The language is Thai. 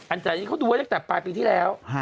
อันนี้เขาดูไว้ตั้งแต่ปลายปีที่แล้ว